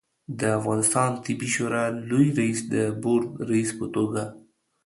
د افغانستان طبي شورا لوي رئیس د بورد رئیس په توګه